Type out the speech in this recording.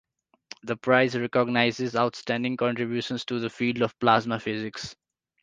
The prize recognizes outstanding contributions to the field of plasma physics.